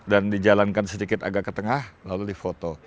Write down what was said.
dan dijalankan sedikit agak ke tengah lalu difoto